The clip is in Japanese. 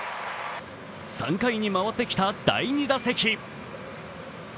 ３回に回ってきた第２打席。